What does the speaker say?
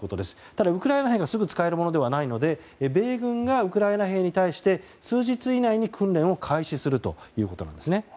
ただ、ウクライナ兵がすぐに使えるものではないので米軍がウクライナ兵に対して数日以内に訓練を開始するということなんです。